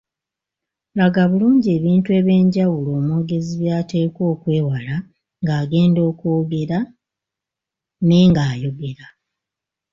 Laga bulungi ebintu eby’enjawulo omwogezi by’ateekwa okwewala nga agenda okwogera ne nga ayogera.